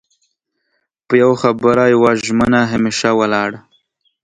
په يو خبره يوه ژمنه همېشه ولاړ